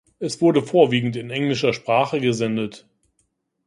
Es wurde vorwiegend in englischer Sprache gesendet.